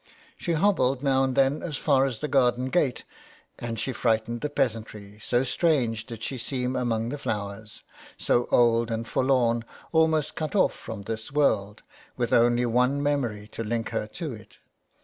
She hobbled now and then as far as the garden gate, and she frightened the peasantry, so strange did she seem among the flowers — so old and forlorn, almost cut off from this world, with only one memory to link her to it.